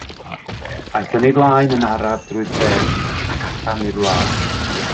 Aeth yn ei flaen yn araf drwy'r dref, ac allan i'r wlad.